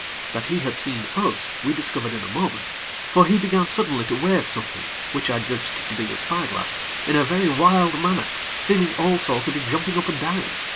That he had seen us, we discovered in a moment; for he began suddenly to wave something, which I judged to be the spy glass, in a very wild manner, seeming also to be jumping up and down.